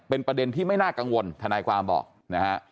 เป็นประเด็นที่ไม่น่ากังวลทนายความบอกนะฮะ